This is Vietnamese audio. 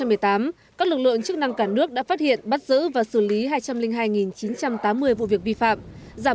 năm hai nghìn một mươi tám các lực lượng chức năng cả nước đã phát hiện bắt giữ và xử lý hai trăm linh hai chín trăm tám mươi vụ việc vi phạm